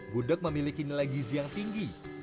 gudeg memiliki nilai gizi yang tinggi